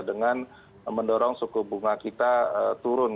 dengan mendorong suku bunga kita turun